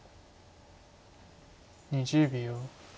２０秒。